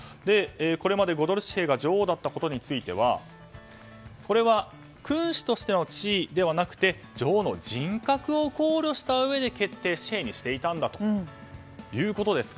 これまで５ドル紙幣が女王だったことについてはこれは君主としての地位ではなく女王の人格を考慮したうえで決定し、紙幣にしていたんだということだと。